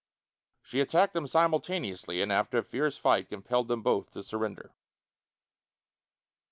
She attacked them simultaneously, and after a fierce fight compelled them both to surrender.